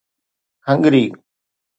Hungary